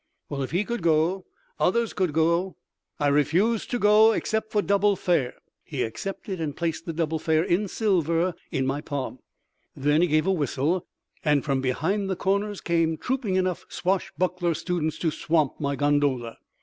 Well, if he could go, others could too. I refused to go—except for double fare. He accepted and placed the double fare in silver in my palm. Then he gave a whistle and from behind the corners came trooping enough swashbuckler students to swamp my gondola.